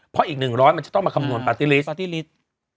เพราะอีก๑๐๐มันจะต้องมาคำนวณปาร์ตี้ลิสปาร์ตี้ลิตร